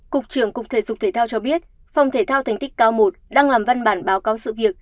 cục trưởng cục thể dục thể thao cho biết phòng thể thao thành tích cao một đang làm văn bản báo cáo sự việc